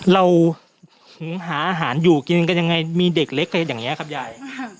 เราหาอาหารอยู่กินกันยังไงมีเด็กเล็กอะไรอย่างนี้ครับยาย